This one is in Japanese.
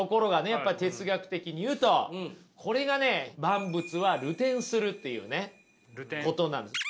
やっぱ哲学的に言うとこれがね万物は流転するっていうねことなんです。